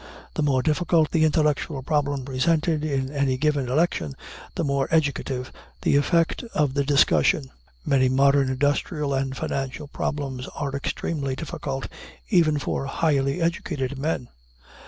The more difficult the intellectual problem presented in any given election, the more educative the effect of the discussion. Many modern industrial and financial problems are extremely difficult, even for highly educated men.